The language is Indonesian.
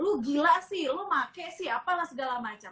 lu gila sih lu make sih apalah segala macam